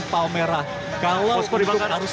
palmera kalau itu harus